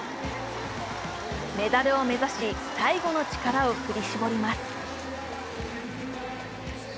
メダルを目指し、最後の力を振り絞ります。